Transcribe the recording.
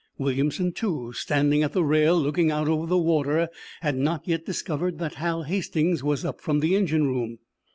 Williamson, too, standing at the rail, looking out over the water, had not yet discovered that Hal Hastings was up from the engine room.